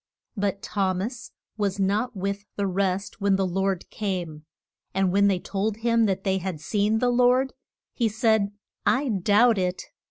But Thom as was not with the rest when the Lord came. And when they told him that they had seen the Lord, he said, I doubt it.